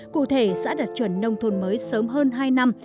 cụ thể xã đạt chuẩn nông thôn mới sớm hơn hai năm